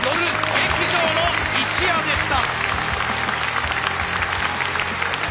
劇場の一夜でした。